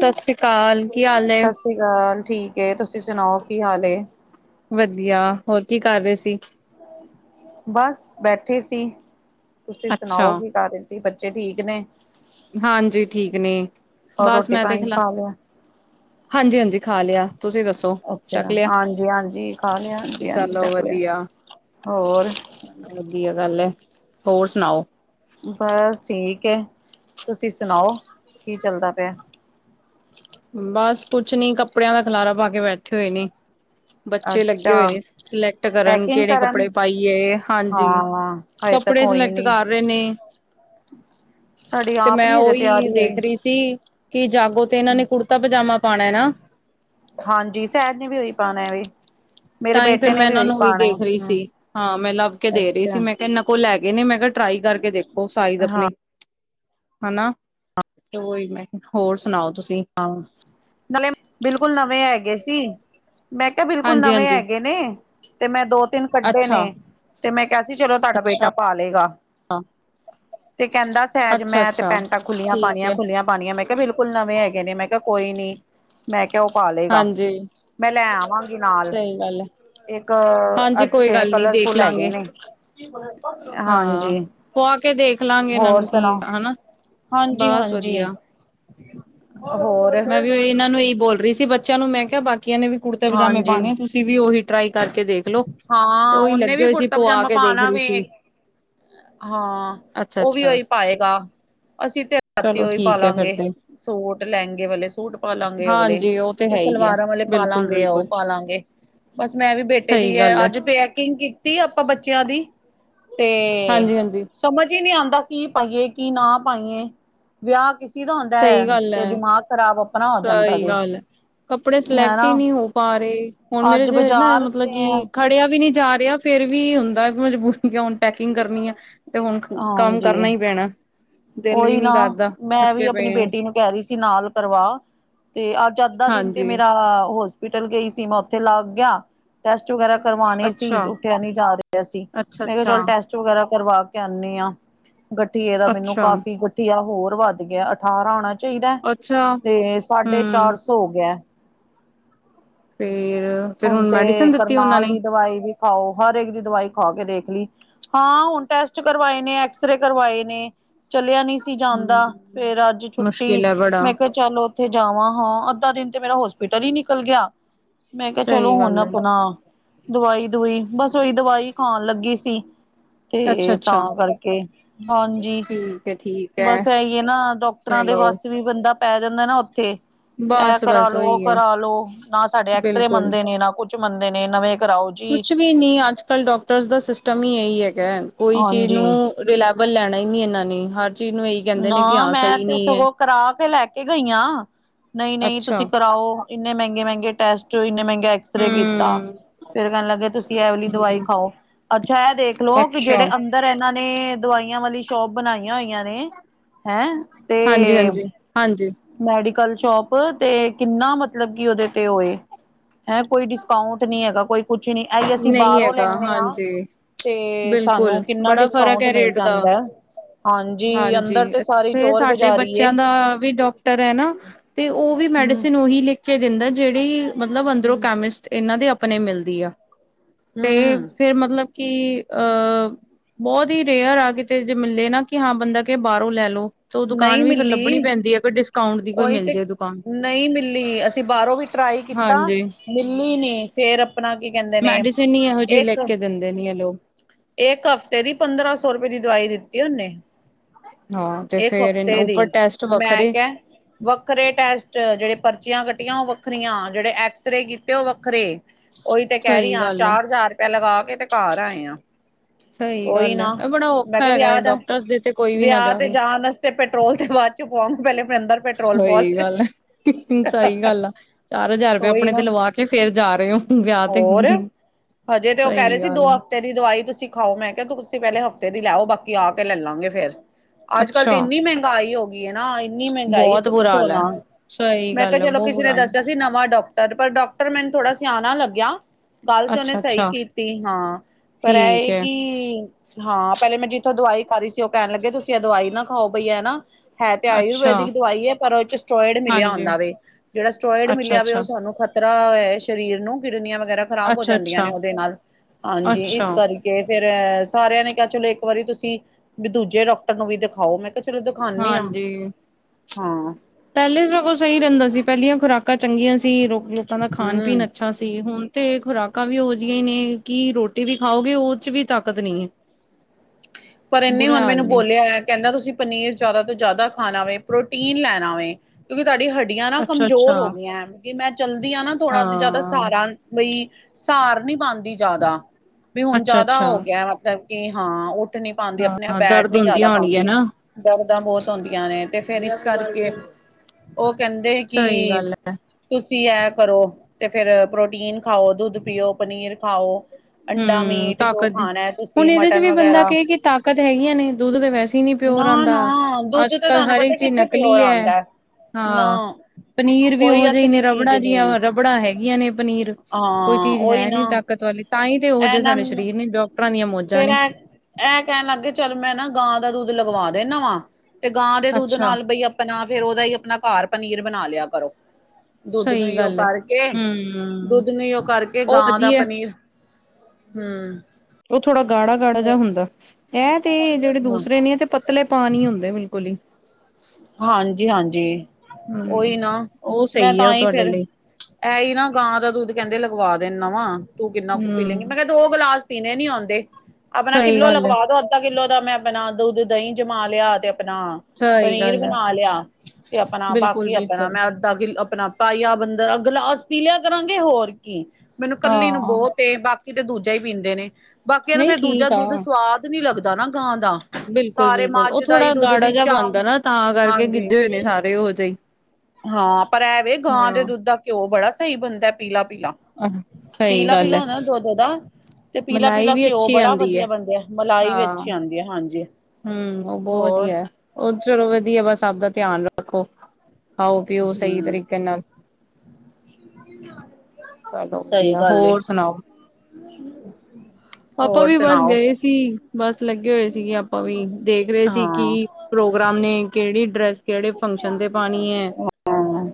ਸਤਿ ਸ੍ਰੀ ਅਕਾਲ ਕੀ ਹਾਲ। ਸਤੀ ਗ ਠੀਕ ਏ ਤੁਸੀਂ ਸੁਣਾਓ ਕੀ ਹਾਲ ਏ। ਵਧੀਆ ਹੋਰ ਕੀ ਕਰ ਰਹੇ ਸੀ। ਬਸ ਬੈਠੇ ਸੀ ਤੁਸੀਂ ਅੱਛਾ ਸੁਣਾਓ, ਕੀ ਕਰ ਰਹੇ ਸੀ ਬੱਚੇ ਠੀਕ ਨੇ। ਹਾਂਜੀ ਠੀਕ ਨੇ ਔਰ ਬਸ ਰੋਟੀ ਮੈਂ ਤੇ ਪਾਣੀ ਖਲਾ। ਖਾ ਲਿਆ? ਹਾਂਜੀ ਹਾਂਜੀ ਖਾ ਲਿਆ ਤੁਸੀਂ ਦੱਸੋ। ਛਕ ਅੱਛਾ। ਲਿਆ ਹਾਂਜੀ ਹਾਂਜੀ, ਖਾ ਲਿਆ, ਹਾਂਜੀ ਹਾਂਜੀ, ਚਲੋ ਚੱਕ ਲਿਆ। ਹੋਰ? ਚਲੋ ਵਧੀਆ ਗੱਲ ਐ, ਹੋਰ ਸੁਣਾਓ? ਬਸ ਠੀਕ ਹੈ। ਤੁਸੀਂ ਸੁਣਾਓ, ਕੀ ਚੱਲਦਾ ਪਿਐ? ਬਸ ਕੁਛ ਨੀ ਕੱਪੜਿਆਂ ਦਾ ਖਲਾਰਾ ਪਾ ਕੇ ਬੈਠੇ ਹੋਏ ਨੇ। ਬੱਚੇ ਲੱਗੇ ਅੱਛਾ ਹੋਏ ਨੇ ਸਿਲੈਕਟ ਕਰਨ, ਪੈਕਿੰਗ ਕੇੜੇ ਕਰਨ ਕੱਪੜੇ ਪਾਈਏ? ਹਾਂਜੀ। ਹਾਂ ਹਜੇ ਤੱਕ ਕੱਪੜੇ ਹੋਈ ਸਿਲੈਕਟ ਨੀ। ਕਾਰ ਰੇ ਨੇ। ਸਾਡੀ ਤੇ ਆਪ ਮੈਂ ਨੀ ਹਜੇ ਔਹੀ ਤਿਆਰੀ ਹੋਈ ਦੇਖ ਰੀ ਸੀ ਕਿ ਜਾਗੋ ਤੇ ਏਨਾਂ ਨੇ ਹੂੰ, ਕੁਰ ਕੁੜਤਾ-ਪਜਾਮਾ ਪਾਣੈ ਨਾ। ਹਾਂਜੀ, ਸੈਜ ਨੇ ਵੀ ਔਹੀ ਪਾਣਾ ਵੇ। ਤਾਂਈ ਫੇਰ ਮੈਂ ਇਨਾਂ ਨੂੰ ਵੀ ਦੇਖ ਰਹੀ ਹਮ ਸੀ। ਹਾਂ, ਮੈਂ ਲੱਭ ਕੇ ਦੇ ਰੀ ਸੀ ਅੱਛਾ ਮੈਂ ਕਿਆ ਏਨਾਂ ਕੋਲ ਹੈਗੇ ਨੇ ਮੈਂ ਕੈ ਟਰਾਈ ਕਰਕੇ ਦੇਖੋ ਸਾਈਜ਼ ਹਾਂ। ਅਪਣੀ। ਹਨਾ, ਤੇ ਓਹੀ ਮੈਂ ਖੈ ਹੋਰ ਸੁਣਾਓ ਤੁਸੀਂ? ਹਾਂ, ਨਾਲੇ ਬਿਲਕੁਲ ਨਵੇਂ ਹੈਗੇ ਸੀ। ਮੈਂ ਕੈ ਬਿਲਕੁਲ ਹਾਂਜੀ ਨਵੇਂ ਹਾਂਜੀ ਹੈਗੇ ਨੇ ਤੇ ਮੈਂ ਦੋ-ਤਿੰਨ ਕੱਢੇ ਅੱਛਾ ਨੇ। ਤੇ ਮੈਂ ਕਿਹਾ ਸੀ ਚਲੋ ਤਾਡਾ ਬੇਟਾ ਅੱਛਾ ਪਾ ਲੇਗਾ, ਤੇ ਕੈੰਦਾ ਸਜ ਅੱਛਾ ਮੈਂ ਤੇ ਅੱਛਾ ਪੈਂਟਾਂ ਖੁੱਲੀਆਂ ਠੀਕ ਪਾਉਣੀਆਂ ਹੈ ਖੁੱਲੀਆਂ ਪਾਣੀਆਂ ਮੈਂ ਕਿਹਾ ਬਿਲਕੁਲ ਨਵੇਂ ਹੈਗੇ ਨੇ ਮੈਂ ਕਿਹਾ ਕੋਈ ਨੀ। ਮੈਂ ਕਿ ਉਹ ਪਾ ਲਏਗਾ, ਮੈਂ ਲੈ ਆਵਾਂਗੀ ਨਾਲ। ਸਈ ਗੱਲ ਐ। ਇੱਕ ਅੱਛੇ ਦੇਖ ਕਲਰਫੁਲ ਹੈਗੇ ਲਾਂਗੇ ਨੇ। ਹਾਂ ਹਾਂਜੀ, ਪਵਾ ਕੇ ਦੇਖ ਲਾਂਗੇ ਇਹਨਾਂ ਹੋਰ ਨੂੰ ਕੀ ਸੁਣੋ। ਹਨਾ ਹਾਂਜੀ, ਬਸ ਹਾਂਜੀ। ਵਧੀਆ ਅ ਹੋਰ? ਮੈਂ ਵੀ ਔਈ ਇਨਾਂ ਨੂੰ ਏਹੀ ਬੋਲ ਰੀ ਸੀ ਬੱਚਿਆਂ ਨੂੰ ਮੈਂ ਕਿਹਾ ਬਾਕੀਆਂ ਨੇ ਵੀ ਕੁੜਤੇ‌ ਪਜਾਮੇ ਹਾਂਜੀ ਪਾਨੇ, ਤੁਸੀਂ ਵੀ ਓਹੀ ਟਰਾਈ ਕਰਕੇ ਦੇਖਲੋ। ਹਾਂ, ਓਹਨੇ ਵੀ ਕੁੜਤਾ-ਪਜਾਮਾ ਪਾਣਾ ਰਹੀ ਸੀ। ਵੇ। ਹਾਂ, ਓਹ ਵੀ ਅੱਛਾ-ਅੱਛਾ ਓਹੀ ਪਾਏਗਾ ਅਸੀਂ ਤੇ ਰਾਤੀ ਚਲੋ ਓਹੀ ਠੀਕ ਹੈ ਫਿਰ ਪਾਲਾਂਗੇ। ਤੇ। ਸੂਟ ਲੈੰਗੇ ਵਾਲੇ ਸੂਟ ਪਾ ਲਾਂਗੇ ਔ ਵਾਲੇ ਹਾਂਜੀ ਉਹ ਤੇ ਏ ਹੈ ਹੀ ਹੈ ਸਲਵਾਰਾਂ ਵਾਲੇ ਪਾ ਲਾਂਗੇ ਯਾ ਓਹ ਬਿਲਕੁਲ-ਬਿਲਕੁਲ ਪਾ ਲਾਂਗੇ। ਬਸ ਮੈਂ ਵੀ ਬੇਟੇ ਸਹੀ ਦੀ ਐ ਗੱਲ ਹੈ ਅੱਜ ਪੈਅਕਿੰਗ ਕੀਤੀ ਅਪਾਂ ਬੱਚਿਆਂ ਦੀ ਤੇ ਹਾਂਜੀ-ਹਾਂਜੀ ਸਮਝ ਹੀ ਨੀ ਆੰਦਾ, ਕੀ ਪਾਈਏ ਕੀ ਨਾ ਪਾਈਏ। ਵਿਆਹ ਕਿਸੀ ਦਾ ਹੁੰਦੈ, ਸਹੀ ਗੱਲ ਤੇ ਹੈ ਦਿਮਾਗ ਖ਼ਰਾਬ ਅਪਨਾ ਹੋ ਜਾਂਦਾ ਸਹੀ ਜੇ। ਗੱਲ ਹੈ। ਕੱਪੜੇ ਸਿਲੈਕਟ ਹੀ ਹੈਨਾ ਨੀ ਹੋ ਪਾ ਰੇ, ਹੁਨ ਮੇਰੇ ਅੱਜ ਜੇ ਨਾ ਬਾਜ਼ਾਰ ਮਤਲਬ ਗਏ ਕੀ ਆ ਖੜਿਆ ਵੀ ਨੀ ਜਾ ਰਿਆ। ਫੇਰ ਵੀ ਹੁੰਦੈ ਕ ਮਜਬੂਰੀ ਆ ਹੁਣ ਪੈਕਿੰਗ ਕਰਨੀ ਐ। ਤੇ ਹੁਣ ਕੰਮ ਕਰਨਾ ਹਾਂਜੀ ਈ ਪੈਣੈ, ਦਿਲ ਵੀ ਉਹੀ ਨੀ ਨਾ ਕਰਦਾ। ਮੈਂ ਵੀ ਥੱਕੇ ਅਪਨੀ ਪਏ ਆ। ਬੇਟੀ ਨੂੰ ਕੈ ਰੀ ਸੀ ਨਾਲ ਕਰਵਾ, ਤੇ ਅੱਜ ਅੱਧਾ ਦਿਨ ਤੇ ਹਾਂਜੀ ਮੇਰਾ ਹੋਸ ਪਿਟਲ ਗਈ ਸੀ ਮੈਂ ਔਥੇ ਲੱਗ ਗਿਆ। ਟੈਸਟ ਵਗੈਰਾ ਕਰਵਾਣੇ ਸੀ ਅੱਛਾ, ਜ ਉੱਠਿਆ ਨੀ ਜਾ ਰਿਆ ਸੀ, ਮੈਂ ਕੈ ਅੱਛਾ-ਅੱਛਾ, ਚਲ ਟੈਸ ਟ ਵਗੈਰਾ ਕਰਵਾ ਕੇ ਆਨੀ ਆਂ, ਗਠੀਏ ਦਾ ਅੱਛਾ, ਮੈਨੂੰ ਅੱਛਾ। ਕਾਫ਼ੀ ਗਠੀਆ ਹੋਰ ਵੱਧ ਗਿਐ, ਅਠਾਰਾਂ ਹੋਣਾ ਚਾਈਦੈ ਅੱਛਾ, ਤੇ ਸਾਢੇ ਹੂੰ ਚਾਰ ਸੌ ਤੋ ਹੋ ਗਿਐ। ਫ਼ੇਰ ਹੁਨ ਤੇ ਕਰਨਾਲ ਦੀ ਦਵਾਈ ਵੀ ਖਾਓ‌, ਹਰ ਏਕ ਦੀ ਦਵਾਈ ਖਾ ਕੇ ਦੇਖ ਲੀ। ਹਾਂ, ਹੁਨ ਟੈਸਟ ਕਰਵਾਏ ਨੇ ਐਕਸਰੇ ਕਰਵਾਏ ਨੇ। ਚਲਿਆ ਨੀ ਸ ਤੀ ਜਾਂਦਾ ਹੂੰ ਫੇਰ ਅੱਜ ਛੁੱਟੀ, ਮੁਸ਼ਕਿਲ ਹੈ ਬੜਾ, ਮੈਂ ਕੈ ਚਲੋ ਔਥੇ ਜਾਵਾਂ, ਹਾਂ ਅੱਧਾ ਦਿਨ ਤੇ ਮੇਰਾ ਹੋਸਪਿਟਲ ਹੀ ਨਿਕਲ ਗਿਆ। ਮੈਂ ਕੈ ਚਲੋ ਸਹੀ ਹੁਨ ਗੱਲ ਹੈ, ਅਪਨਾ ਦਵਾਈ-ਦੁਵਈ ਬਸ ਓਹੀ ਦਵਾਈ ਖਾਣ ਲੱਗੀ ਸੀ। ਤੇ ਅੱਛਾ-ਅੱਛਾ ਤਾਂ ਕਰਕੇ ਹਾਂਜੀ। ਠੀਕ ਠੀਕ। ਬਸ ਇਹੀ ਹੈ ਨਾ ਡਾਕਟਰਾਂ ਦੇ ਚਲੋ, ਵਸ ਵੀ ਬੰਦਾ ਪੈ ਜਾਂਦਾ ਨਾ ਉੱਥੇ ਇਹ ਬਸ-ਬਸ ਕਰਾਲੋ ਉਹ ਉਹੀ ਹੈ, ਕਰਾ ਲੋ ਨਾ ਸਾਡੇ ਐਕਸਰੇ ਬਿਲਕੁਲ। ਮੰਨਦੇ ਨੇ ਨਾ ਕੁਛ ਮੰਨਦੇ ਨੇ ਨਵੇਂ ਕਰਾਓ। ਜੀ ਕੁਛ ਵੀ ਨੀ ਅੱਜ ਕੱਲ੍ਹ ਡਾਕਟਰਸ ਦਾ ਸਿਸਟਮ ਹੀ ਇਹੀ ਹੈਗਾ ਕੋਈ ਚੀਜ਼ ਹਾਂਜੀ ਨੂੰ ਰਲੇੈਬਲ ਲੈਣਾ ਹੀ ਨੀ ਇਹਨਾਂ ਨੇ ਹਰ ਚੀਜ਼ ਨੂੰ। ਕਹਿੰਦੇ ਨੇ ਕਿ ਨਾ ਹਾਂ ਮੈਂ ਸਹੀ ਤੇ ਨਹੀਂ ਹੈ, ਸਗੋਂ ਕਰਾ ਕੇ ਲੈ ਕੇ ਗਈ, ਹ ਨਹੀਂ ਨਹੀਂ ਅੱਛਾ, ਤੁਸੀਂ ਕਰਾਓ। ਇੰਨੇ ਮਹਿੰਗੇ ਮਹਿੰਗੇ ਟੈਸਟ ਇੰਨੇ ਮਹਿੰਗੇ ਐਕਸਰੇ ਕੀਤਾ। ਹੂੰ। ਫੇਰ ਕਹਿਣ ਲੱਗੇ ਤੁਸੀਂ ਇਹ ਵਾਲੀ ਦਵਾਈ ਹੂੰ, ਖਾਓ ਅੱਛਾ ਇਹ ਦੇਖ ਲੋ ਕਿ ਅੱਛਾ, ਜਿਹੜੇ ਅੰ ਇੱਧਰ ਇਹਨਾਂ ਨੇ ਦਵਾਈਆਂ ਵਾਲੀ ਸ਼ੋਪ ਬਣਾਈਆਂ ਹੋਈਆਂ ਨੇ। ਹੈਂ। ਹਾਂਜੀ ਤੇ ਹਾਂਜੀ ਹਾਂਜੀ। ਮੈਡੀਕਲ ਸ਼ੋਪ ਤੇ ਕਿੰਨਾ ਮਤਲਬ ਕਿ ਉਹਦੇ ਤੇ ੳਏ। ਹੈਂ ਕੋਈ ਡਿਸਕਾਊਂਟ ਨੀ ਹੈਗਾ ਕੋਈ ਕੁਛ ਨਹੀਂ ਅਹੀ ਅਸੀਂ ਨਹੀਂ ਬਾਹਰੋਂ ਹੈਗਾ, ਲੈਂਨੇ ਹਾਂ। ਹਾਂਜੀ। ਤੇ ਸਾਨੂੰ ਬਿਲਕੁਲ, ਕਿੰਨਾ ਬੜਾ ਫ਼ਰਕ ਡਿਸਕਾਊਂਟ ਹੈ ਮਿਲ ਰੇਟ ਦਾ, ਜਾਂਦੇ, ਹਾਂਜੀ ਅ। ਇੱਥੇ ਸਾਡੇ ਬੱਚਿਆਂ ਦਾ ਵੀ ਡਾਕਟਰ ਹੈ ਨਾ ਤੇ ਉਹ ਵੀ ਹਮ ਮੈਡੀਸਿਨ ਉਹੀ ਲਿਖ। ਲਿਖ ਕੇ ਦਿੰਦਾ ਜਿਹੜੀ ਮਤਲਬ ਅੰਦਰੋਂ ਕੈਮਿਸਟ ਇਹਨਾਂ ਦੇ ਅਪਨੇ ਮਿਲਦੀ ਆ। ਤੇ ਹਮ ਫੇਰ ਮਤਲਬ ਕਿ ਅਹ ਬਹੁਤ ਹੀ ਰੇਅਰ ਆ ਕਿਤੇ ਜੇ ਮਿਲੇ ਨਾ ਕਿ, ਹਾਂ ਬੰਦਾ ਕਿ ਬਾਹਰੋਂ ਲੈ ਲਓ। ਤੇ ਦੁਕਾਨ ਨਹੀਂ ਵੀ ਫੇਰ ਲੱਭਣੀ ਮਿਲੀ ਪੈਂਦੀ ਐ ਕੋਈ ਡਿਸਕਾਊਂਟ ਦੀ ਕੋਈ ਉਹੀ ਮਿਲ ਤੇ ਜੇ ਦੁਕਾਨ। ਨਹੀਂ ਮਿਲੀ ਅਸੀਂ ਬਾਹਰੋਂ ਵੀ ਟਰਾਈ ਕੀਤਾ ਹਾਂਜੀ। ਮਿਲੀ ਨੀ ਫੇਰ ਅਪਨਾ ਕੀ ਕੈੰਦੇ ਨੇ ਮੈਡੀਸਿਨ ਹੀ ਇਹੋ ਜਿਹੀ ਏਕ ਲਿਖ ਕੇ ਦਿੰਦੇ ਨੇ ਇਹ ਲੋਕ ਏਕ ਹਫ਼ਤੇ ਦੀ ਪੰਦਰਾਂ ਸੌ ਰੁਪਏ ਦੀ ਦਵਾਈ ਦਿੱਤੀ ਔਨੇ। ਹਾਂ ਤੇ ਇੱਕ ਫੇਰ ਹਫ਼ਤੇ ਦੀ ਉੱਪਰ ਟੈਸਟ ਮੈਂ ਵੱਖਰੇ ਕਯੈ ਵੱਖਰੇ ਟੈਸਟ, ਜੇੜੇ ਪਰਚਿਆਂ ਕੱਟਿਆਂ ਔ ਵੱਖਰਿਆਂ, ਜੇੜੇ ਐਕਸਰੇ ਕੀਤੇ ਔ ਵੱਖਰੇ। ਔ ਹੀ ਤੇ ਕਹਿ ਰਹੀ ਸਹੀ ਹਾਂ, ਗੱਲ ਹੈ ਚਾਰ ਹਜ਼ਾਰ ਰੁਪਇਆ ਲਗਾ ਕੇ ਤੇ ਘਰ ਆਏ ਆ। ਸਹੀ ਉਹੀ ਗੱਲ ਹੈ, ਨਾ ਇਹ ਬੜਾ ਮੈਂ ਔਖਾ ਹੈਗਾ, ਡਾਕਟਰਸ ਦੇ ਤੇ ਕੋਈ ਵੀ ਨਾ ਜਾਵੇ। ਆਣ ਵਾਸਤੇ ਪੈਟਰੋਲ ਤੇ ਬਾਅਦ ਚੁ ਪਾਵਾਂਔ, ਪਹਿਲੇ ਮਰਿੰਦਰ ਸਹੀ ਗੱਲ ਹੈ, ਸਹੀ ਗੱਲ ਆ, ਚਾਰ ਹਜ਼ਾਰ ਰੁਪਇਆ ਉਹੀ ਆਪਣੇ ਨਾ ਤੇ ਲਵਾ ਕੇ, ਫੇਰ ਜਾ ਰਹੇ ਹੋ। ਵਿਆਹ ਤੇ ਹੋਰ, ਹਜੇ ਤੇ ਉਹ ਕਹਿ ਰਹੇ ਸਹੀ ਸੀ, ਗੱਲ ਦੋ ਆ ਹਫ਼ਤੇ ਏਦੀ ਦਵਾਈ ਤੁਸੀਂ ਖਾਓ, ਮੈਂ ਕਿਹਾ ਤੁਸੀਂ ਪਹਿਲੇ ਹਫ਼ਤੇ ਦੀ ਲੈਓ, ਬਾਕੀ ਆ ਕੇ ਲੈ ਲਾਂਗੇ ਫੇਰ। ਅੱਜ ਕੱਲ੍ਹ ਅੱਛਾ ਤੇ ਇੰਨੀ ਮਹਿੰਗਾਈ ਹੋ ਗਈ ਹੈ ਨਾ। ਇੰਨੀ ਮਹਿੰਗਾਈ ਬਹੁਤ ਬੁਰਾ ਪੁੱਛੋ ਹਾਲ ਹੈ ਨਾ, ਸਹੀ ਮੈਂ ਕਿਹਾ ਗੱਲ ਹੈ ਚਲੋ ਬਹੁਤ ਕਿਸੇ ਨੇ ਬੁਰਾ ਹਾਲ ਦੱਸਿਆ ਸੀ ਨਵਾਂ ਡਾਕ ਪਰ ਡਾਕਟਰ ਮੈਨੂੰ, ਥੋੜ੍ਹਾ ਸੀ ਸਿਆਣਾ ਲੱਗਿਆ। ਗੱਲ ਹੈ ਤੇ ਉਹਨੇ ਅੱਛਾ ਸਹੀ ਅੱਛਾ ਕੀਤੀ, ਹਾਂ, ਪਰ ਇਹ ਹੈ ਕਿ ਹਾਂ ਪਹਿਲੇ ਮੈਂ ਜਿੱਥੋਂ ਦਵਾਈ ਖਾ ਰਹੀ ਸੀ, ਉਹ ਕਹਿਣ ਲੱਗੇ ਤੁਸੀਂ ਇਹ ਦਵਾਈ ਨਾ ਖਾਓ, ਬਈ ਹੈ ਨਾ। ਹੈ ਤੇ ਅੱਛਾ ਆਯੁਰਵੈਦਿਕ ਦਵਾਈ ਹੈ, ਪਰ ਉਹ ਚ ਸਟੋਇਡ ਮਿਲਿਆ ਹਾਂਜੀ ਹੁੰਦਾ ਵੇ। ਜਿਹੜਾ ਸਟੋਇਡ ਅੱਛਾ ਮਿਲਿਆ ਵੇ, ਉਹ ਅੱਛਾ ਸਾਨੂੰ ਖ ਖਤਰ੍ਹਾਂ ਐ ਸਰੀਰ ਨੂੰ, ਕਿਡਨੀਆਂ ਵਗੈਰਾ ਖ਼ਰਾਬ ਹੋ ਅੱਛਾ ਜਾਂਦੀਆਂ ਨੇ ਅੱਛਾ ਉਹਦੇ ਨਾਲ, ਹਾਂਜੀ ਅੱਛਾ ਇਸ ਕਰਕੇ। ਕੇ ਫੇਰ ਸਾਰਿਆਂ ਨੇ ਕਿਹਾ, ਚਲੋ ਇੱਕ ਵਾਰੀ ਤੁਸੀਂ ਵੀ ਦੂਜੇ ਡਾਕਟਰ ਨੂੰ ਵੀ ਦਿਖਾਓ ਮੈਂ ਤੇ ਚਲੋ ਦਿਖਾਉਦੀ ਆਂ, ਹਾਂਜੀ ਹਾਂ। ਪਹਿਲੇ ਬਿਲਕੁਲ ਸਹੀ ਰਹਿੰਦਾ ਸੀ, ਪਹਿਲੀਆਂ ਖੁਰਾਕਾਂ ਚੰਗੀਆਂ ਸੀ, ਲੋਕਾਂ ਦਾ ਖਾਣ ਪੀਣ ਹੂੰ। ਅੱਛਾ। ਅੱਛਾ ਸੀ, ਹੁਣ ਤੇ ਖੁਰਾਕਾਂ ਵੀ ਉਹੋ ਜਿਹੀ ਹੀ ਨੇ, ਕਿ ਰੋਟੀ ਵੀ ਖਾਓਗੇ ਉਹ ਚ ਵੀ ਤਾਕਤ ਨਹੀ ਹੈ। [unintelligible] ਪਰ ਇਹੰਨੇ ਬੁਰਾ ਹੁਣ ਮੈਨੂੰ ਹਾਲ ਨੇ ਬੋਲਿਆ ਐ, ਕਹਿੰਦਾ ਤੁਸੀਂ ਪਨੀਰ ਜ਼ਿਆਦਾ ਤੋਂ ਜ਼ਿਆਦਾ ਖਾਣਾ ਵੈ, ਪ੍ਰੋਟੀਨ ਲੈਣਾ ਵੈ, ਕਿਉਂਕਿ ਤੁਹਾਡੀ ਹੱ ਹਡਿਆਂ ਨਾ ਅੱਛਾ-ਅੱਛਾ, ਕਮਜ਼ੋਰ ਹੋ ਗਈਆਂ, ਮੈਂ ਚਲਦੀ ਹਾਂ ਨਾ ਥੋੜਾ ਜਿਆਦਾ ਹਾਂ, ਸਾਰਾ ਬਈ ਸਹਾਰ ਨਹੀਂ ਪਾਂਦੀ ਜਿਆਦਾ, ਵੀ ਹੁਣ ਜਿਆਦਾ ਅੱਛਾ-ਅੱਛਾ, ਹੋ ਗਿਆ ਮਤਲਬ ਕਿ ਹਾਂ ਉੱਠ ਨਹੀਂ ਪਾਉਂਦੀ ਆਪਣੇ ਆਪ, ਹਾਂ ਬੈਠ ਦਰਦ ਨੀ ਜਿਆਦਾ ਹੁੰਦੀਆਂ ਹੋਣਗੀਆਂ ਪਾਉਂਦੀ। ਨਾ। ਦਰਦਾਂ ਬਹੁਤ ਹੋਦਿਆਂ ਨੇ, ਤੇ ਫੇਰ ਇਸ ਕਰਕੇ ਉਹ ਕਹਿੰਦੇ ਸਹੀ ਕਿ ਗੱਲ ਐ, ਤੁਸੀਂ ਇਹ ਕਰੋ, ਤੇ ਫਿਰ ਪ੍ਰੋਟੀਨ ਖਾਓ, ਦੁੱਧ ਪੀਓ, ਪਨੀਰ ਖਾਓ ਅੰਡਾ ਹੂ, ਮੀਟ ਜੋ ਤਾਕਤ ਦੀ, ਖਾਣਾ ਹੈ ਹੁਣ ਤੁਸੀਂ ਇਹਦੇ ਚ ਮਟਨ ਵੀ ਬੰਦਾ ਕਹੇ ਕਿ ਤਾਕਤ ਹੈਗੀ ਐ ਨਹੀ, ਦੁੱਧ ਦੇ ਵੈਸੇ ਹੀ ਨੀ ਪਿਓਰ ਨਾ ਆਂਦਾ। ਨਾ ਦੁੱਧ ਤੇ ਅੱਜ-ਕੱਲ ਤੁਹਾਨੂੰ ਹਰ ਪਤਾ, ਇੱਕ ਚੀਜ਼ ਕਿੱਥੇ ਪਿਓਰ ਨਕਲੀ ਐ, ਆਉਂਦਾ, ਨਾ ਹਾਂ। ਪਨੀਰ ਵੀ ਉਹੋ ਕੋਈ ਜਿਹੀ ਨੇ, ਅਸਲੀ ਚੀਜ਼ ਰਬੜਾ ਨੀ ਐ ਜਿਹੀਆਂ ਰਬੜਾ ਹੈਗੀਆਂ ਨੇ ਪਨੀਰ, ਕੋਈ ਹਾਂ ਚੀਜ਼ ਉਹੀ ਹੈ ਨਾ ਨੀ ਤਾਕਤ ਵਾਲੀ। ਤਾਂ ਹੀ ਤੇ ਉਹ ਐ ਜਹੇ ਨਾ ਸਾਡੇ ਸਰੀਰ ਨੇ, ਜੋ ਫੇਰ ਇਹ, ਇਹ ਕਹਿਣ ਲੱਗ ਗਏ, ਚੱਲ ਮੈਂ ਨਾ ਗਾਂ ਦਾ ਦੁੱਧ ਲਗਵਾ ਦੇਨਾ ਵਾਂ। ਤੇ ਗਾਂ ਦੇ ਦੁੱਧ ਅੱਛਾ, ਨਾਲ ਬਈ ਆਪਣਾ, ਫੇਰ ਉਹਦਾ ਹੀ ਆਪਣਾ ਘਰ ਪਨੀਰ ਬਣਾ ਲਿਆ ਕਰੋ। ਦੁੱਧ ਨੂੰ ਸਹੀ ਉਹ ਗੱਲ ਐ, ਕਰਕੇ, ਹੂੰ ਦੁੱਧ ਨੂੰ ਉਹ ਕਰਕੇ, ਉਹ ਗਾਂ ਦਾ ਵਧੀਆ ਪਨੀਰ ਹੂੰ, ਉਹ ਥੋੜਾ ਗਾੜਾ ਗਾੜਾ ਜਿਯਾ ਹੁੰਦਾ, ਇਹ ਤੇ ਜਿਹੜੇ ਦੂਸਰੇ ਨੇ, ਐ ਤੇ ਪਤਲੇ ਪਾਣੀ ਹੁੰਦੇ, ਬਿਲਕੁਲ ਹੀ ਹਾਂਜੀ ਹਾਂਜੀ, ਔ ਹਮ ਹੀ ਨਾ, ਉਹ ਮੈਂ ਸਹੀ ਹੈ ਤਾਂ ਉਹ ਹੀ ਤੁਹਾਡੇ ਫਿਰ ਲਈ ਇਹ ਹੀ ਨਾ ਗਾਂ ਦਾ ਦੁੱਧ ਕਹਿੰਦੇ ਲਗਵਾ ਦਿੰਦਾ ਵਾਂ, ਤੂੰ ਕਿੰਨਾ ਕੁ ਪੀ ਲੈਂਗੀ, ਹਮ ਮੈਂ ਕਹਿੰ ਦੋ ਗਲਾਸ ਪੀਣੇ ਨੀ ਹੋਂਦੇ, ਆਪਣਾ ਸਹੀ ਕਿੱਲੋ ਗੱਲ ਹੈ ਲਗਵਾ ਦੋ ਅਦਾ ਕਿੱਲੋ ਦਾ ਮੈਂ ਆਪਣਾ ਦੁੱਧ ਦਹੀਂ ਜਮਾ ਲਿਆ, ਤੇ ਆਪਣਾ ਸਹੀ ਪਨੀਰ ਗੱਲ ਹੈ ਬਣਾ ਲਿਆ, ਤੇ ਆਪਣਾ ਬਿਲਕੁਲ ਬਾਕੀ ਆਪਣਾ, ਬਿਲਕੁਲ ਮੈਂ ਕਿ ਆਪਣਾ ਪਾਇਆ ਬੰਦਾ, ਗਲਾਸ ਪੀ ਲਿਆ ਕਰਾਂਗੇ ਹੋਰ ਕੀ, ਮੈਨੂੰ ਕੱਲੀ ਨੂੰ ਹਾਂ ਬਹੁਤ ਤੇ ਬਾਕੀ ਤੇ ਦੂਜਾ ਹੀ ਪੀਂਦੇ ਨੇ, ਬਾਕਿਆਂ ਇਹ ਨੂੰ ਨਹੀਂ ਫੇਰ ਦੂਜਾ ਠੀਕ ਆ ਦੁੱਧ ਸਵਾਦ ਨੀ ਲੱਗਦਾ ਨਾ, ਗਾਂ ਦਾ ਬਿਲਕੁਲ ਸਾਰੇ ਬਿਲਕੁਲ ਉਹ ਮੱਝ ਦਾ ਹੀ ਥੋੜਾ ਦੁੱਧ ਗਾੜਾ ਦੀ ਜਿਹਾ ਬੰਦਦਾ ਚਾਹ ਨਾ, ਤਾਂ ਕਰਕੇ ਹਾਂਜੀ ਗਿੱਧੇ ਹੋਏ ਨੇ ਸਾਰੇ ਉਹ ਜਿ ਹੀ। ਹਾਂ ਪਰ ਐਵੇ, ਗਾਂ ਦੇ ਦੁੱਧ ਹਾਂ ਦਾ ਘਿਓ ਬੜਾ ਸਹੀ ਬਣਦਾ। ਪੀਲਾ ਪੀਲਾ, ਸਹੀ ਪੀਲਾ ਗੱਲ ਪੀਲਾ ਹੈ ਹੁੰਦਾ ਨਾ ਦੁੱਧ ਔ ਦਾ। ਤੇ ਪੀਲਾ ਮਲਾਈ ਪੀਲਾ ਵੀ ਘਿਓ ਅੱਛੀ ਬੜਾ ਆਉਂਦੀ ਹੈ ਵਧੀਆ ਬਣਦੇ ਆ, ਮਲਾਈ ਵੀ ਹਾਂ ਅੱਛੀ ਆਉਂਦੀ ਹੈ ਹਾਂਜੀ। ਹਮ ਉਹ ਬਹੁਤ ਹੋਰ ਵਧੀਆ ਹੈ, ਉਹ ਚਲੋ ਵਧੀਆ, ਬਸ ਆਪਦਾ ਧਿਆਨ ਰੱਖੋ। ਖਾਓ ਪੀਓ ਸਹੀ ਹੂੰ ਤਰੀਕੇ ਨਾਲ ਚਲੋ ਸਹੀ ਵਧੀਆ, ਗੱਲ ਏ ਹੋਰ ਸੁਣਾਓ? ਆਪਾਂ ਹੋਰ ਵੀ ਬਸ ਸੁਣਾਓ ਗਏ ਸੀ, ਬਸ ਲੱਗੇ ਹੋਏ ਸੀਗੇ ਆਪਾਂ ਵੀ ਦੇਖ ਰਹੇ ਸੀ ਹਾਂ। ਕਿ ਪ੍ਰੋਗਰਾਮ ਨੇ, ਕਿਹੜੀ ਡਰੈਸ ਕਿਹੜੇ ਫੰਕਸ਼ਨ ਤੇ ਪਾਨੀ ਏ ਹਾਂ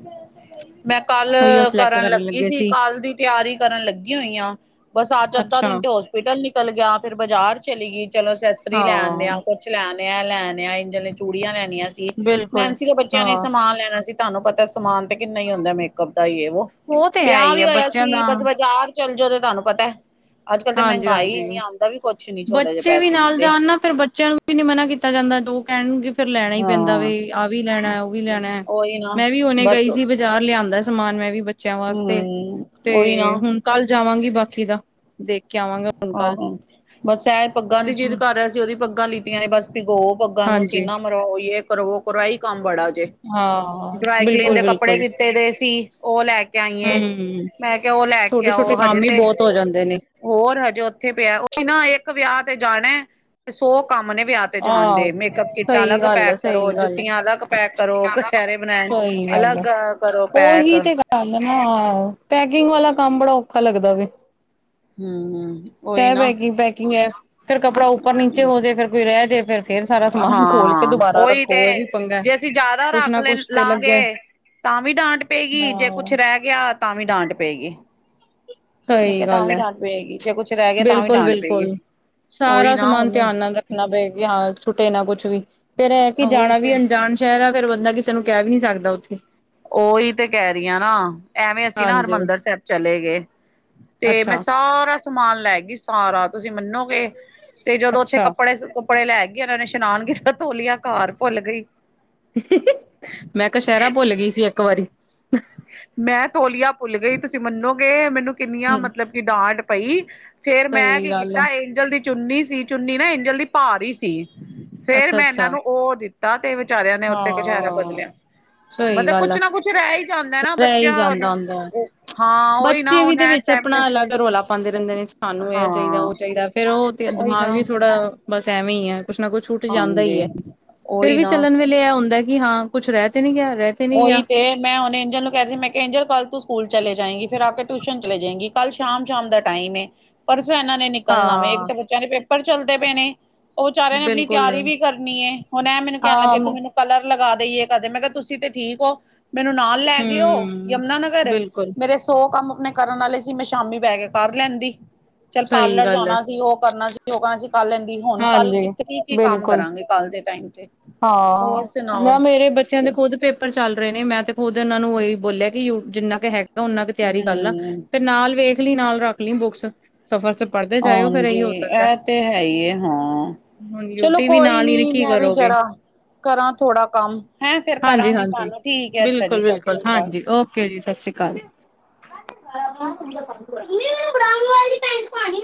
ਮੈਂ ਕੱਲ ਕਰਨ ਲੱਗੀ ਸੀ, ਕੱਲ ਦੀ ਤਿਆਰੀ ਕਰਨ ਲੱਗੀ ਹੋਈ ਹਾਂ ਬਸ ਅੱਜ ਅੱਧਾ ਅੱਛਾ ਦਿਨ ਤੇ ਹੋਸ ਹੋਸਪਿਟਲ ਨਿਕਲ ਗਿਆ, ਫਿਰ ਬਾਜ਼ਾਰ ਚਲੀ ਗਈ ਚਲੋ ਸੈਸਰੀ ਲੈ ਆਨੇ ਆ ਹਾਂ ਕੁਛ ਲੈਨ ਏ ਆ ਏ ਲੈਨ ਆ ਇੰਜ ਆਲੀ ਚੂੜੀਆਂ ਲੈਣੀਆਂ ਸੀ, ਬਿਲਕੁਲ ਨੈਨਸੀ ਦੇ ਬੱਚਿਆਂ ਹਾਂ ਨੇ ਸਮਾਨ ਲੈਣਾ ਸੀ ਤਾਹਨੂੰ ਪਤੇ ਸਮਾਨ ਤੇ ਕਿੰਨਾ ਈ ਹੁੰਦੇ ਐ ਮੇਕਅਪ ਦਾ ਯੇ ਵੋ, ਉਹ ਤੇ ਹੈ ਵਿਆਹ ਹੀ ਵੀ ਆ ਹੋਇਆ ਬੱਚਿਆਂ ਸੀ ਦਾ ਬਸ ਬਜ਼ਾਰ ਚੱਲ ਜੋ ਤੇ ਤੁਹਾਨੂੰ ਪਤੇ, ਅੱਜ ਕੱਲ ਤੇ ਹਾਂਜੀ ਮਹਿੰਗਾਈ ਹਾਂਜੀ ਇੰਨੀ ਆਂਦਾ ਵੀ ਕੁਛ ਨੀ, ਛੋੜੇ ਜਹੇ ਬੱਚੇ ਵੀ ਪੈਸਆ ਚ ਨਾਲ ਤੇ ਜਾਣ ਨਾ ਫਿਰ ਬੱਚਿਆਂ ਨੂੰ ਵੀ ਨੀ ਮਨਾ ਕੀਤਾ ਜਾਂਦਾ ਜੋ ਕਹਿਣਗੇ ਫਿਰ ਲੈਣਾ ਹੀ ਪੈਂਦਾ ਹਾਂ ਵੇ, ਆਹ ਵੀ ਲੈਣਾ ਉਹ ਵੀ ਲੈਣਾ ਉਹੀ ਨਾ ਮੈਂ ਵੀ ਹੋਨੇ ਬਸ ਗਈ ਸੀ ਜ਼ਾਰ ਲਿਆਦੇ ਸਮਾਨ ਮੈਂ ਵੀ ਬੱਚਿਆਂ ਵਾਸਤੇ, ਹਮ ਉਹੀ ਤੇ ਨਾ ਹੁਨ ਕੱਲ ਜਾਵਾਂਗੀ ਬਾਕੀ ਦਾ, ਦੇਖ ਕੇ ਆਵਾਂਗਾ ਹੁਣ ਕੱਲ ਆਹਾ, ਬਸ ਏ ਪੱਗਾਂ ਦੀ ਜਿਦ ਕਰ ਰਿਹਾ ਸੀ ਉਹਦੀ ਪੱਗਾਂ ਲੀਤੀਆਂ ਨੇ ਬਸ ਭਿਗੋ ਪਗਾਂ ਨੂੰ ਹਾਂਜੀ ਸੀਨਾ ਮਰੋ ਯੇ ਕਰੋ, ਵੋ ਕਰੋ, ਏਈ ਕੰਮ ਬੜਾ ਜੇ, ਹਾਂ ਡਰਾਈ ਕਲੀਨ ਬਿਲਕੁਲ ਦੇ ਕੱਪੜੇ ਬਿਲਕੁਲ ਦੀਤ ਤੇ ਦੇ ਸੀ ਉਹ ਲੈ ਕੇ ਆਈਏ, ਹਮ ਮੈਂ ਕਿਹਾ ਉਹ ਲੈ ਕੇ ਛੋਟੇ ਛੋਟੇ ਆਓ ਹਜੇ ਕੰਮ ਹੀ ਤੇ ਬਹੁਤ ਹੋ ਜਾਂਦੇ ਨੇ ਹੋਰ ਹਜੇ ਉੱਥੇ ਪਿਆ, ਉਹੀ ਨਾ ਇੱਕ ਵਿਆਹ ਤੇ ਜਾਣੇ ਤੇ ਸੌ ਕੰਮ ਨੇ ਵਿਆਹ ਤੇ ਆਹੋ ਜਾਣਦੇ, ਮੇਕਅੱਪ ਕਿੱਟਾਂ ਸਹੀ ਅਲੱਗ ਗੱਲ ਹੈ ਪੈਕ ਕਰੋ, ਸਹੀ ਗੱਲ ਹੈ ਜੁੱਤੀਆਂ ਅਲੱਗ ਪੈਕ ਕਰੋ ਕਚਹਿਰੇ ਬਣੈਣ ਅਲੱਗ ਕਰੋ ਪੈ ਏਹੀ ਤੇ ਗ [unintelligible] ਨਾ ਪੈਕਿੰਗ ਵਾਲਾ ਕੰਮ ਬੜਾ ਔਖਾ ਲੱਗਦਾ ਵੇ ਹੂੰ ਉਹੀ ਕਹਿ ਨਾ ਪੈਕਿੰਗ ਪੈਕਿੰਗ ਹੈ ਫੇਰ ਕੱਪੜਾ ਉੱਪਰ ਨੀਚੇ ਹੋ ਜੇ ਫਿਰ ਕੋਈ ਰਹਿ ਜੇ ਫਿਰ ਹਾਂ ਉਹੀ ਤੇ, ਇਹ ਵੀ ਪੰਗਾ ਜੇ ਅਸੀਂ ਜ਼ਿਆਦਾ ਕੁਛ ਰੱਖ ਨਾ ਲੈ ਕੁਛ ਤੇ ਲੱਗਿਆ ਲਾਂਗੇ ਤਾਂ ਵੀ ਡਾਂਟ ਪਏਗੀ ਜੇ ਕੁਛ ਹਾਂ ਰਹਿ ਗਿਆ ਤਾਂ ਵੀ ਡਾਂਟ ਪਏਗੀ ਮੈਂ ਸਹੀ ਕਿਹਾ ਤਾਂ ਗੱਲ ਵੀ ਹੈ ਡਾਂਟ ਪਏਗੀ ਜੇ ਕੁੱਛ ਰਹਿ ਗਿਆ ਤਾਂ ਵੀ ਬਿਲਕੁਲ ਡਾਂਟ ਪਏਗੀ ਬਿਲਕੁਲ ਉਹੀ ਸਾਰਾ ਨਾ ਸਮਾਨ ਹੁਣ ਧਿਆਨ ਨਾਲ ਰੱਖਣਾ ਪਏ ਕਿ ਹਾਂ ਛੁੱਟੇ ਨਾ ਕੁਛ ਵੀ ਫੇਰ ਇਹ ਕਿ ਉਹੀ ਜਾਣਾ ਵੀ ਤੇ ਅਣਜਾ ਸ਼ਹਿਰ ਹੈ ਫੇਰ ਬੰਦਾ ਕਿਸੇ ਨੂੰ ਕਹਿ ਵੀ ਨੀ ਸਕਦਾ ਉੱਥੇ ਓਹੀ ਤੇ ਕਹਿ ਰਹੀਆਂ ਨਾ ਐਵੇਂ ਅਸੀਂ ਨਾ ਹਾਂਜੀ ਹਰਿਮੰਦਰ ਸਾਹਿਬ ਚਲੇ ਗਏ ਤੇ ਮੈਂ ਅੱਛਾ ਸਾਰਾ ਸਮਾਨ ਲੈ ਗਈ ਸਾਰਾ ਤੁਸੀਂ ਮੰਨੋ ਗੇ ਤੇ ਜਦੋਂ ਉੱਥੇ ਅੱਛਾ ਕੱਪੜੇ ਕੁਪੜੇ ਲੈ ਗਏ ਉਹਨਾਂ ਨੇ ਇਸ਼ਨਾਨ ਕੀਤਾ ਤੇ ਤੋਲੀਆ ਘਰ ਭੁੱਲ ਗਈ ਮੈਂ ਕਸ਼ਹਿਰਾ ਭੁੱਲ ਗਈ ਸੀ ਇੱਕ ਵਾਰੀ ਮੈਂ ਤੋਲੀਆ ਭੁੱਲ ਗਈ, ਤੁਸੀਂ ਮੰਨੋਗੇ ਮੈਨੂੰ ਕਿੰਨੀਆਂ ਹਮ ਮਤਲਬ ਕਿ ਡਾਂਟ ਪਈ ਫੇਰ ਮੈਂ ਸਹੀ ਕੀ ਗੱਲ ਹੈ ਕੀਤਾ ਏੰਜਲ ਦੀ ਚੁੰਨੀ ਸੀ, ਚੁੰਨੀ ਨਾ ਏਜਲ ਦੀ ਭਾਰੀ ਸੀ। ਫੇਰ ਅੱਛਾ ਮੈਂ ਇਹਨਾਂ ਅੱਛਾ ਨੂੰ ਉਹ ਦਿੱ ਤਾ ਤੇ ਵਿਚਾਰਿਆਂ ਨੇ ਉੱਥੇ ਕਚਹਿਰਾ ਹਾਂ ਬਦਲਿਆ ਸਹੀ ਮਤਲਬ ਗੱਲ ਕੁਛ ਆ ਨਾ ਕੁਛ ਰਹਿ ਈ ਜਾਂਦੇ ਨਾ ਰਹਿ ਹੀ ਬੱਚਿਆਂ ਜਾਂਦਾ ਨੂੰ, ਹੁੰਦਾ ਹੈ। ਹਾਂ ਉਹੀ ਨਾ ਬੱਚੇ ਵੀ ਹੁਣ ਦੇ ਐਨ ਵਿੱਚ ਟੈਮ ਤੇ ਆਪਣਾ ਅਲੱਗ ਰੌਲਾ ਪਾਉਂਦੇ ਰਹਿੰਦੇ ਨੇ ਸਾਨੂੰ ਹਾਂ ਇਹ ਚਾਹੀਦੇ ਉਹ ਚਾਹੀਦੇ ਫੇਰ ਉਹ ਤੇ ਉਹੀ ਦਿਮਾਗ ਨਾ ਵੀ ਥੋੜਾ ਬਸ ਐਵੇਂ ਹੀ ਹੈ ਕੁਛ ਨਾ ਕੁਛ ਛੁੱਟ ਜਾਂਦਾ ਈ ਹਾਂਜੀ ਹੈ ਫੇਰ ਉਹੀ ਵੀ ਨਾ ਚੱਲਣ ਵੇਲੇ ਇਹ ਹੁੰਦਾ ਕਿ ਹਾਂ ਕੁੱਛ ਰਹਿ ਤੇ ਨੀ ਗਿਆ ਰਹਿ ਤੇ ਨਹੀਂ ਉਹੀ ਗਿਆ। ਤੇ ਮੈਂ ਹੋਨੇ ਏਜਲ ਨੂੰ ਕਿਹਾ ਸੀ ਮੈਂ ਕਿਹਾ ਏਜਲ ਕੱਲ ਤੂੰ ਸਕੂਲ ਚਲੇ ਜਾਏਗੀ, ਫਿਰ ਆ ਕੇ ਟਿਊਸ਼ਨ ਚਲੇ ਜਾਏਗੀ ਕੱਲ ਸ਼ਾਮ ਸ਼ਾਮ ਦਾ ਟਾਈਮ ਏ ਪਰਸੋਂ ਇਹਨਾਂ ਨੇ ਨਿਕਲ ਨਾ ਵੇ, ਇੱਕ ਹਾਂ ਤਾਂ ਬੱਚਿਆਂ ਦੇ ਪੇਪਰ ਚੱਲਦੇ ਪਏ ਨੇ ਉਹ ਵਿਚਾਰਿਆ ਨੇ ਅਪਨੀ ਬਿਲਕੁਲ ਤਿਆਰੀ ਵੀ ਕਰਨੀ ਏ ਹੁਨ ਐਂ ਮੈਨੂੰ ਕਹਿਣ ਲੱਗੇ ਹਾਂ। ਤੂੰ ਮੈਨੂੰ ਕਲਰ ਲਗਾ ਦੇਏ ਤੇ ਕਰ [unintelligible] ਮੈਂ ਕਿਹਾ ਤੁਸੀਂ ਤੇ ਠੀਕ ਹੋ ਮੈਨੂੰ ਨਾਲ ਲੈ ਗਓ ਹਮ ਯਮੁਨਾ ਨਗਰ ਬਿਲਕੁਲ ਮੇਰੇ ਸੌ ਕੰਮ ਅਪਨੇ ਕਰਨ ਆਲੇ ਸੀ ਮੈਂ ਸ਼ਾਮੀ ਬੈ ਕੇ ਕਰ ਲੈਂਦੀ, ਚੱਲ ਸਹੀ ਪਾਰਲਰ ਗੱਲ ਹੈ। ਜਾਣਾ ਸੀ ਉਹ ਕਰਨਾ ਸੀ [unintelligible] ਕਾਂ ਸੀ ਕੱਲ ਲੈਂਦੀ ਹੁਣ ਕੱਲ ਹਾਂਜੀ ਕਿੱਥੇ ਕੀ ਕੀ ਕੰਮ ਬਿਲਕੁਲ ਕਰਾਂਗੇ ਕੱਲ ਦੇ ਟਾਈਮ ਤੇ ਹੋਰ ਹਾਂ, ਨਾ ਸੁਣਾਓ ਮੇਰੇ ਬੱਚਿਆਂ ਦੇ ਖੁਦ ਪੇਪ ਪਰ ਚੱਲ ਰਹੇ ਨੇ ਮੈਂ ਤੇ ਖੁਦ ਉਹਨਾਂ ਨੂੰ ਉਹੀ ਬੋਲਿਆ ਕਿ ਯੂ [unintelligible] ਜਿੰਨਾ ਕੁ ਹੈਗਾ ਓਨਾ ਕੁ ਤਿਆਰੀ ਕਰ ਲਾ, ਹਮ ਫਿਰ ਨਾਲ ਵੇਖ ਲੀ ਨਾਲ ਰੱਖ ਲੀ ਬੁੱਕਸ ਸਫ਼ਰ ਚ ਪੜ੍ਹਦੇ ਜਾਇਓ ਫੇਰ ਇਹੀ ਹਾਂਜੀ, ਹੋ ਸਕਦਾ ਇਹ ਤੇ ਹੈ ਈ ਐ, ਹਾਂ ਹੁਣ ਚਲੋ ਯੂਟੀ ਵੀ ਕੋਈ ਨਾਲ ਹੀ ਨੇ ਨੀ ਕੀ ਮੈਂ ਵੀ ਕਰੋਗੇ ਜਰਾ ਕਰਾਂ ਥੋੜਾ ਕੰਮ। ਹੈ ਫੇਰ ਹਾਂਜੀ ਕਰਾਂਗੀ ਹਾਂਜੀ ਤੁਹਾਨੂੰ ਠੀਕ ਹੈ ਅੱਛਾ ਜੀ ਬਿਲਕੁਲ ਸਤਿ ਬਿਲਕੁਲ ਸ਼੍ਰੀ ਅਕਾਲ। ਜੀ ਸਤਿ ਸ਼੍ਰੀ ਅਕਾਲ। ਮੰਮੀ ਮੈਂ ਉਹ ਬਰਾਊਨ ਵਾਲੇ ਪੈਂਟ ਪਾਣੀ।